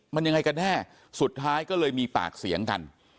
มันยังไงกันแน่สุดท้ายก็เลยมีปากเสียงกัน